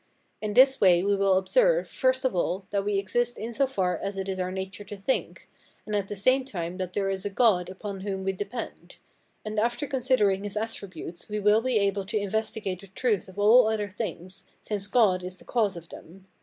In this way we will observe, first of all, that we exist in so far as it is our nature to think, and at the same time that there is a God upon whom we depend; and after considering his attributes we will be able to investigate the truth of all other things, since God is the cause of them.